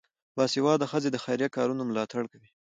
باسواده ښځې د خیریه کارونو ملاتړ کوي.